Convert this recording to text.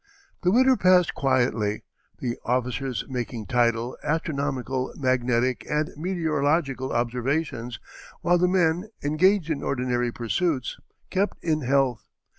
The winter passed quietly, the officers making tidal, astronomical, magnetic, and meteorological observations, while the men, engaged in ordinary pursuits, kept in health.